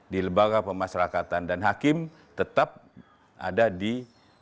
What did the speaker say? di lembaga pemasrakatan dan hakim tetap ada di lpp